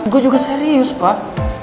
gue juga serius pak